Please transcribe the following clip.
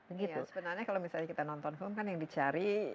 sebenarnya kalau misalnya kita nonton film kan yang dicari